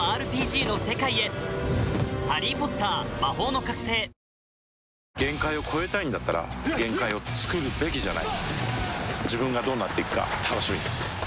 乳酸菌が一時的な胃の負担をやわらげる限界を越えたいんだったら限界をつくるべきじゃない自分がどうなっていくか楽しみです